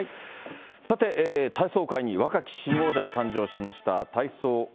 さて、体操界に若き新王者が誕生しました。